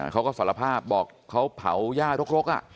เขาก็สารภาพบอกเขาเผาย่ารก